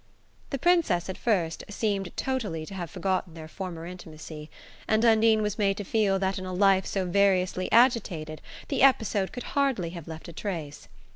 The Princess, at first, seemed totally to have forgotten their former intimacy, and Undine was made to feel that in a life so variously agitated the episode could hardly have left a trace.